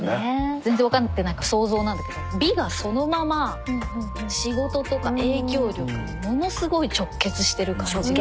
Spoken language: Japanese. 全然わかってないから想像なんだけど美がそのまま仕事とか影響力にものすごい直結してる感じが。